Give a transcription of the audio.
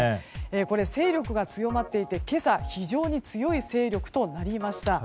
勢力が強まっていて今朝、非常に強い勢力となりました。